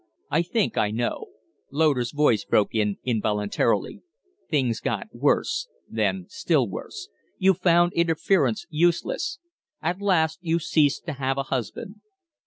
"I think I know," Loder's voice broke in involuntarily. "Things got worse then still worse. You found interference useless. At last you ceased to have a husband."